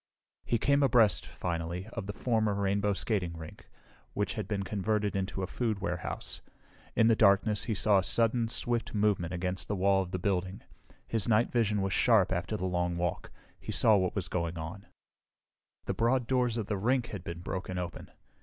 He came abreast, finally, of the former Rainbow Skating Rink, which had been converted into a food warehouse. In the darkness, he saw a sudden, swift movement against the wall of the building. His night vision was sharp after the long walk; he saw what was going on. The broad doors of the rink had been broken open.